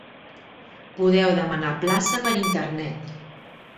Podeu demanar plaça per Internet.